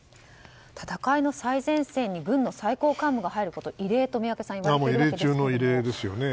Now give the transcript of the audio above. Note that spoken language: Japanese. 戦いの最前線に軍の最高幹部が入ることは異例といわれているんですね。